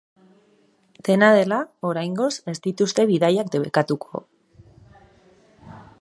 Dena dela, oraingoz ez dituzte bidaiak debekatuko.